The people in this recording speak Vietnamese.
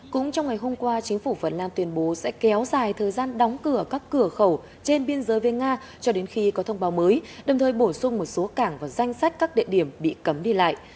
cũng trong ngày hôm qua chính phủ phần lan tuyên bố sẽ kéo dài thời gian đóng cửa các cửa khẩu trên biên giới với nga cho đến khi có thông báo mới đồng thời bổ sung một số cảng vào danh sách các địa điểm bị cấm đi lại